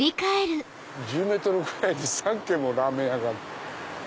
１０ｍぐらいに３軒もラーメン屋がある。